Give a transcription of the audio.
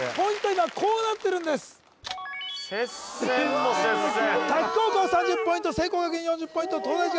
今こうなってるんです接戦も接戦